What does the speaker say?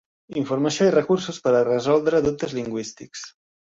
Informació i recursos per a resoldre dubtes lingüístics.